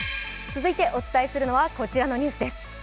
続いて、お伝えするのはこちらのニュースです。